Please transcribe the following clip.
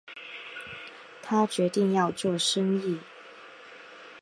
他决定要做生意